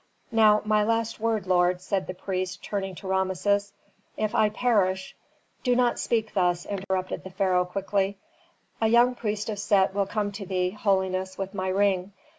Now my last word, lord," said the priest, turning to Rameses. "If I perish " "Do not speak thus," interrupted the pharaoh quickly. "A young priest of Set will come to thee, holiness, with my ring.